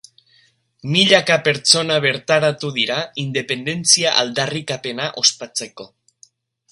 Milaka pertsona bertaratu dira independentzia aldarrikapena ospatzeko.